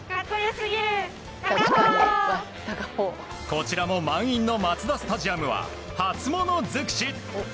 こちらも満員のマツダスタジアムは初物尽くし。